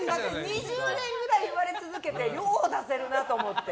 ２０年くらい言われ続けてよう出せるなと思って。